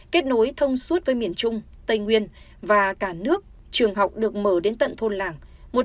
kết nối thông suốt với miền trung tây nguyên và cả nước trường học được mở đến tận thôn làng